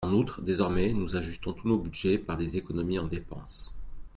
En outre, désormais, nous ajustons tous nos budgets par des économies en dépenses.